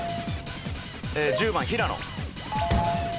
１０番平野。